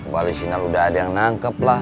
wali sinar udah ada yang nangkep lah